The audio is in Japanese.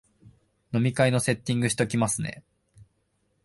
飲み会のセッティングしときますね